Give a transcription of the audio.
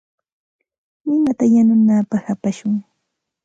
Ninata yanunapaq apashun.